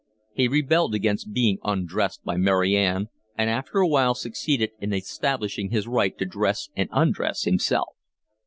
He rebelled against being undressed by Mary Ann and after a while succeeded in establishing his right to dress and undress himself.